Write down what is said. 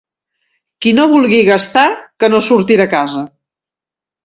Qui no vulgui gastar, que no surti de casa.